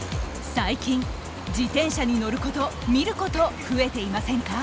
最近「自転車」に乗ること見ること増えていませんか？